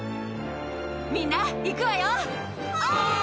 みんな、行くわよ！